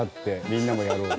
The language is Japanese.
みんなもやろう。